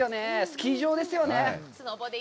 スキー場ですよね。